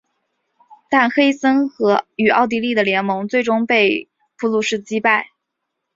但黑森与奥地利的联盟最终被普鲁士击败。